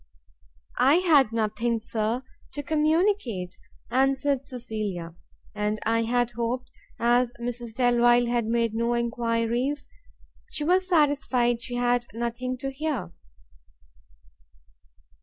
"I had nothing, Sir, to communicate," answered Cecilia, "and I had hoped, as Mrs Delvile made no enquiries, she was satisfied she had nothing to hear."